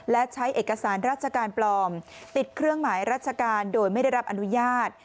และใช้เอกสารราชการปลอมติดเครื่องหมายราชการโดยไม่ได้รับอนุญาต